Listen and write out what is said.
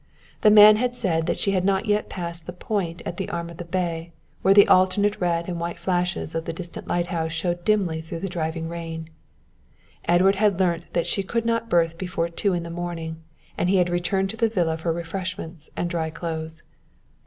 The man had said that she had not yet passed the Point at the arm of the bay where the alternate red and white flashes of the distant lighthouse showed dimly through the driving rain. Edward had learnt that she could not berth before two in the morning, and he had returned to the Villa for refreshment and dry clothes.